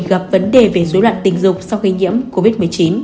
gặp vấn đề về dối loạn tình dục sau khi nhiễm covid một mươi chín